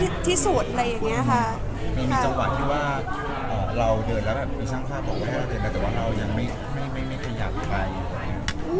มีจังหวะที่ว่าเราเดินแล้วมีช่างภาพบอกว่าแต่ว่าเรายังไม่มีขยับไป